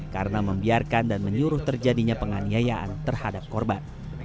karena membiarkan dan menyuruh terjadinya penganiayaan terhadap korban